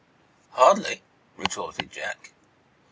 "Hardly," retorted Jack.